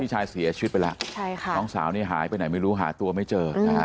ชายเสียชีวิตไปแล้วน้องสาวนี่หายไปไหนไม่รู้หาตัวไม่เจอ